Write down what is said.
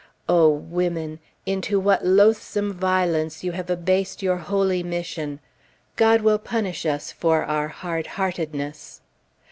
O women! into what loathsome violence you have abased your holy mission! God will punish us for our hard heartedness.